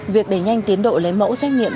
việc đẩy nhanh tiến độ lấy mẫu xét nghiệm